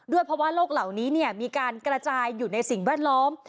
เพราะว่าโลกเหล่านี้มีการกระจายอยู่ในสิ่งแวดล้อม